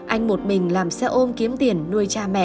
anh một mình làm xe ôm kiếm tiền nuôi cha mẹ